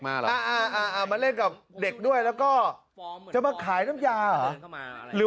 แล้วพี่ก็เดินเข้ามาในบ้านผมเลย